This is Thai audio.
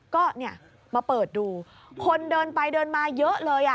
ก็เนี่ยมาเปิดดูคนเดินไปเดินมาเยอะเลย